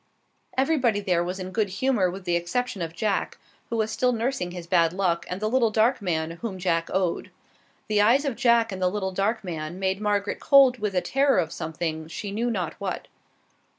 Everybody there was in good humor with the exception of Jack, who was still nursing his bad luck, and the little dark man, whom Jack owed. The eyes of Jack and the little dark man made Margaret cold with a terror of something, she knew not what.